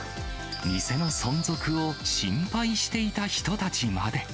店の存続を心配していた人たちまで。